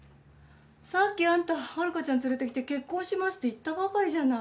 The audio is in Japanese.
さっきあんたはるかちゃん連れてきて結婚しますって言ったばかりじゃない。